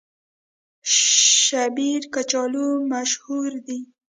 شیبر کچالو مشهور دي؟